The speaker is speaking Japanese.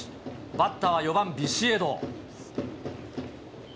バッターは４番ビシエド。